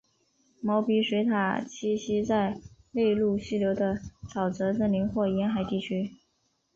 毛鼻水獭栖息在内陆溪流的沼泽森林或沿海地区。